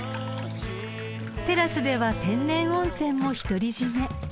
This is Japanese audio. ［テラスでは天然温泉も独り占め］